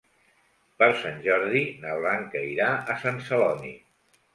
Per Sant Jordi na Blanca irà a Sant Celoni.